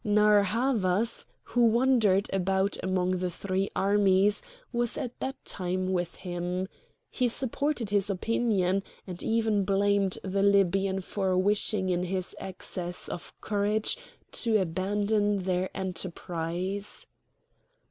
Narr' Havas, who wandered about among the three armies, was at that time with him. He supported his opinion, and even blamed the Libyan for wishing in his excess of courage to abandon their enterprise.